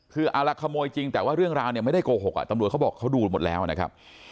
คือเอาละขโมยจริงแต่ว่าเรื่องราวเนี่ยไม่ได้โกหกตำรวจเขาบอกเขาดูหมดแล้วนะครับ